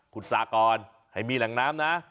สากรให้มีแหล่งน้ำนะ